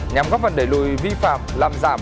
nhằm góp vấn đề lùi vi phạm làm giảm